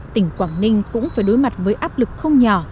tỉnh quảng ninh cũng phải đối mặt với áp lực không nhỏ